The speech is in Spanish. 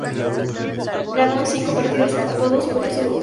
Ganó cinco partidos, empató dos y perdió solo uno.